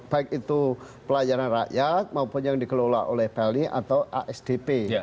baik itu pelayanan rakyat maupun yang dikelola oleh pelni atau asdp